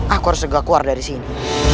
aku harus segera keluar dari sini